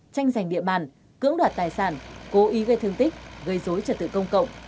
tranh giành địa bàn cưỡng đoạt tài sản cố ý gây thương tích gây dối trật tự công cộng